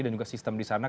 dan juga sistem di sana